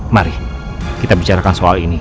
mari kita bicarakan soal ini